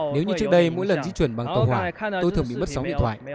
nếu như trước đây mỗi lần di chuyển bằng tàu hỏa tôi thường bị mất sóng điện thoại